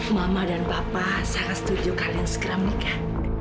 mama dan papa saya setuju kalian segera menikah